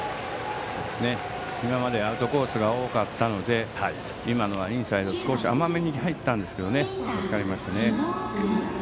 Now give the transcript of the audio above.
今までアウトコースが多かったので今のはインサイドに少し甘めに入ったんですが助かりましたね。